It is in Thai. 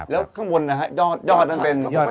แล้วข้างบนนะฮะยอดนั้นเป็นยอด